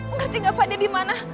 ngerti gak pak dia dimana